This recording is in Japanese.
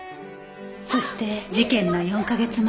そして事件の４カ月前。